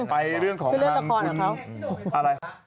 ไปเรื่องของทางคุณ